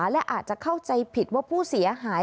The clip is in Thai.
และอาจจะเข้าใจผิดว่าผู้เสียหาย